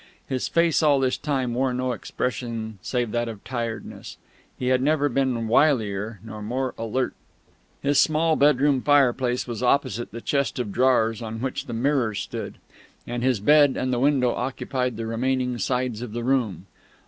His face all this time wore no expression save that of tiredness. He had never been wilier nor more alert. His small bedroom fireplace was opposite the chest of drawers on which the mirror stood, and his bed and the window occupied the remaining sides of the room.